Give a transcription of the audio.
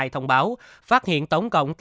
thông báo phát hiện tổng cộng